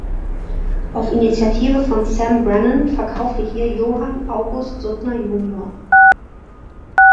Auf Initiative von Sam Brannon verkaufte hier Johann August Sutter jun.